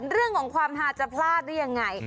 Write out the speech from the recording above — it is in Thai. เรื่องของความฮาจะพลาดได้ยังไง